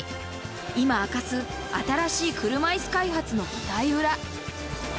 今明かす新しい車いす開発の舞台裏。